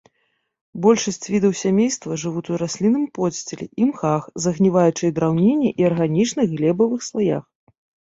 Большасць відаў сямейства жывуць у раслінным подсціле, імхах, загніваючай драўніне і арганічных глебавых слаях.